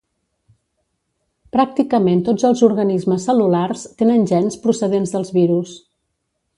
Pràcticament tots els organismes cel·lulars tenen gens procedents dels virus.